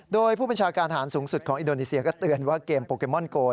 โดยผู้บัญชาการฐานสูงสุดของอินโดนีเซียก็เตือนว่าเกมโปเกมอนโก